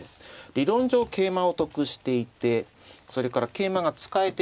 理論上桂馬を得していてそれから桂馬が使えていると。